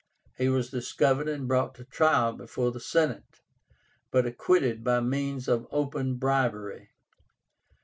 He was discovered and brought to trial before the Senate, but acquitted by means of open bribery.